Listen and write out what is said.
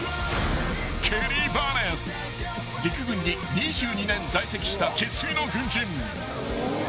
［陸軍に２２年在籍した生粋の軍人］